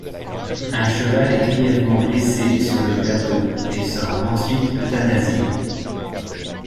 Un cheval est grièvement blessé sur le plateau et sera ensuite euthanasié.